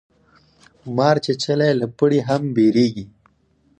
مار چیچلی له پړي هم بېريږي.